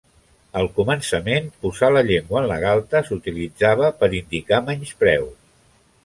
Al començament, posar la llengua en la galta s'utilitzava per indicar menyspreu.